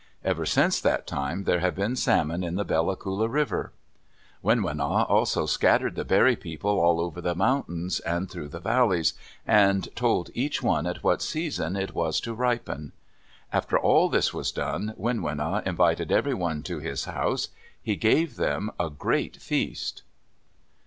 Ever since that time there have been salmon in the Bella Coola River. Winwina also scattered the Berry People all over the mountains, and through the valleys, and told each one at what season it was to ripen. After all this was done, Winwina invited everyone to his house. He gave them a great feast.